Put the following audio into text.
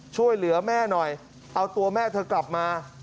ช่วยเหลือแม่หน่อยเอาตัวแม่เธอกลับมา